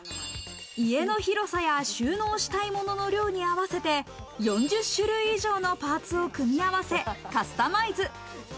家の広さや収納したい物の量に合わせて４０種類以上のパーツを組み合わせカスタマイズ。